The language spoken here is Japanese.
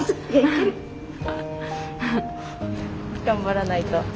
頑張らないと。